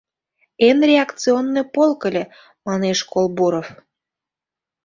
— Эн реакционный полк ыле, — манеш Колбуров.